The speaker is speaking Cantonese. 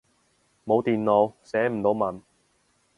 冇電腦，寫唔到文